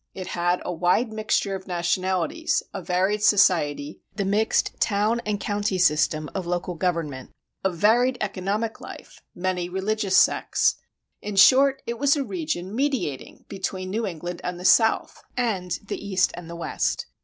It had a wide mixture of nationalities, a varied society, the mixed town and county system of local government, a varied economic life, many religious sects. In short, it was a region mediating between New England and the South, and the East and the West.